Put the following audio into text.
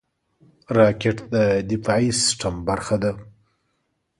راکټ د دفاعي سیستم برخه ده